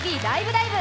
ライブ！」。